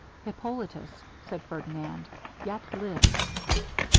'Hippolitus,' said Ferdinand, 'yet lives.'